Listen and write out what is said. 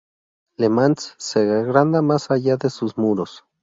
Le Mans se agranda más allá de sus muros.